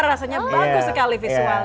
rasanya bagus sekali visualnya